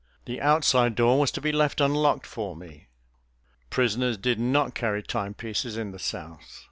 The outside door was to be left unlocked for me. Prisoners did not carry timepieces in the South.